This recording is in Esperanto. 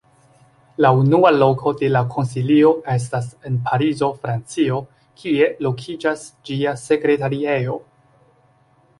La nuna loko de la Konsilio estas en Parizo, Francio, kie lokiĝas ĝia Sekretariejo.